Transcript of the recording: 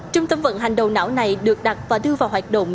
trung tâm vận hành đầu não này được đặt và đưa vào hoạt động